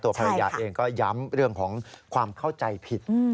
ภรรยาเองก็ย้ำเรื่องของความเข้าใจผิด